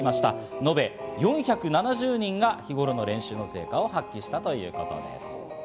のべ４７０人が日頃の練習の成果を発揮したということです。